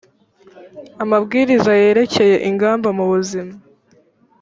amabwiriza yerekeye ingamba mu buzima